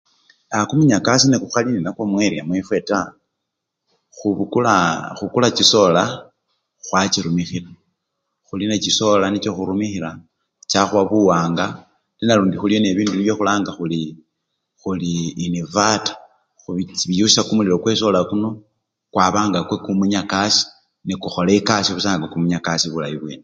aa kumunyakasi nekhukhari nenakwo mu eria mwefwe taa, khubukulaa--khukula chisola khwa chirumikhila, khuli ne chisola nicho khurumihila chakhuwa buwanga ate nalundi khuli ni bibindu nibyo khulanga khuli khuli invata, biyusya kumulilo kwesola yino kwaba nga kwe kumunyakasa, ne kukhola ekasii nga kumunyakasa kumwene